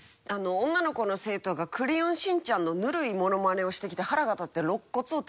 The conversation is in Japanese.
女の子の生徒がクレヨンしんちゃんのぬるいモノマネをしてきて腹が立って。